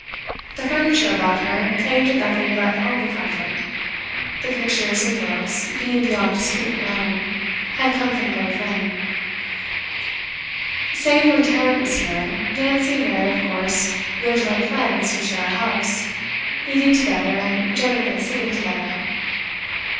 The furniture about her aimed at nothing but homely comfort; the pictures and books, being beyond dispute her own, had come from Grove Lane. Save when Tarrant was here, Nancy and Mary of course lived like friends who share a house, eating together and generally sitting together.